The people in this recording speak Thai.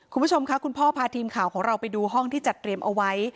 คุณผู้ชมค่ะคุณพ่อพาทีมข่าวของเราไปดูห้องที่จัดเตรียมเอาไว้